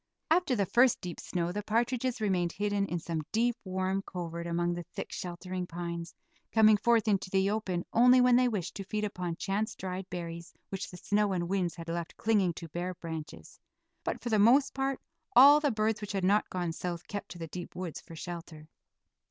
After the first deep snow the partridges remained hidden in some deep, warm covert among the thick, sheltering pines, coming forth into the open only when they wished to feed upon chance dried berries which the snow and winds had left clinging to bare branches; but for the most part all the birds which had not gone south kept to the deep woods for shelter.